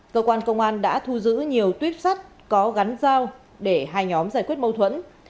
cơ quan công an đã thu giữ nhiều tuyếp sắt có gắn dao để hai nhóm giải quyết mâu thuẫn